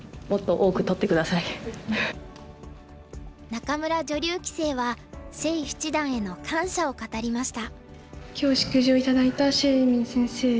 仲邑女流棋聖は謝七段への感謝を語りました。